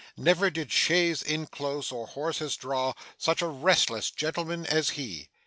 Never did chaise inclose, or horses draw, such a restless gentleman as he.